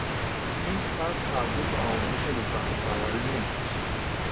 این فصل مربوط به آموزش دوچرخه سواری نیست.